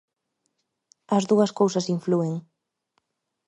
As dúas cousas inflúen.